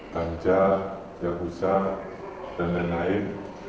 banja jagusa dan lain lain